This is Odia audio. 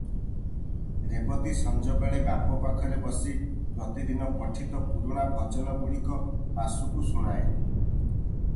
ରେବତୀ ସଞ୍ଜବେଳେ ବାପ ପାଖରେ ବସି ପ୍ରତିଦିନ ପଠିତ ପୁରୁଣା ଭଜନଗୁଡ଼ିକ ବାସୁକୁ ଶୁଣାଏ ।